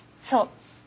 そう。